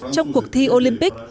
trong cuộc thi olympic